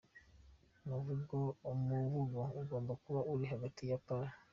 Umuvugo ugomba kuba uri hagati ya p.